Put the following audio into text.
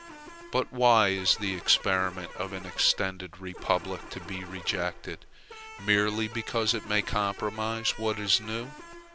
But why is the experiment of an extended republic to be rejected, merely because it may comprise what is new?